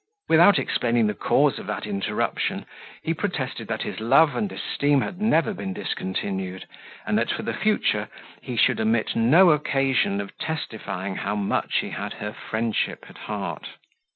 Without explaining the cause of that interruption, he protested that his love and esteem had never been discontinued, and that for the future he should omit no occasion of testifying how much he had her friendship at heart.